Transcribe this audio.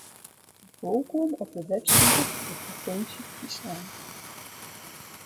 Wolkom op de webside fan de provinsje Fryslân.